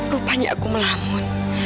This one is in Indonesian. rupanya aku melamun